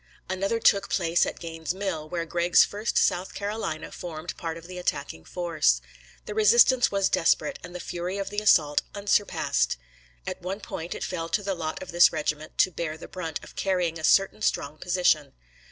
Another took place at Gaines' Mill, where Gregg's 1st South Carolina formed part of the attacking force. The resistance was desperate, and the fury of the assault unsurpassed. At one point it fell to the lot of this regiment to bear the brunt of carrying a certain strong position.